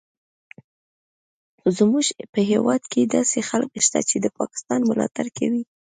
زموږ په هیواد کې داسې خلک شته چې د پاکستان ملاتړ کوي